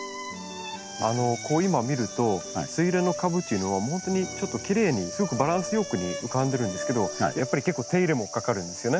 今見るとスイレンの株っていうのは本当にちょっときれいにすごくバランス良く浮かんでるんですけどやっぱり結構手入れもかかるんですよね。